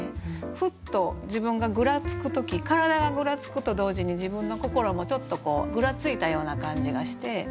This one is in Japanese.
ふっと自分がぐらつく時体がぐらつくと同時に自分の心もちょっとぐらついたような感じがして。